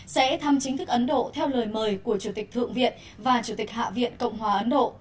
sẽ thăm chính thức ấn độ theo lời mời của chủ tịch thượng viện và chủ tịch hạ viện cộng hòa ấn độ